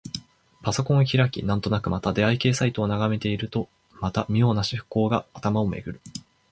パソコンを開き、なんとなくまた出会い系サイトを眺めているとまた、妙な思考が頭をめぐる。